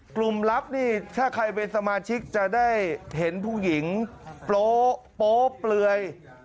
ลับนี่ถ้าใครเป็นสมาชิกจะได้เห็นผู้หญิงโป๊เปลือย